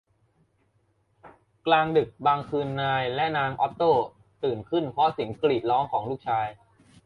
กลางดึกบางคืนนายและนางออตโตตื่นขึ้นเพราะเสียงกรีดร้องของลูกชาย